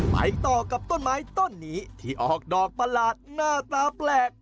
ไปต่อกับต้นไม้ต้นนี้ที่ออกดอกประหลาดหน้าตาแปลก